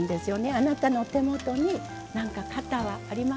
あなたの手元に何か型はありませんか？